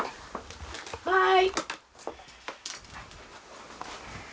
はい。